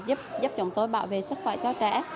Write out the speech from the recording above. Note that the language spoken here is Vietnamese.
bởi vì nó giúp chúng tôi bảo vệ sức khỏe cho trẻ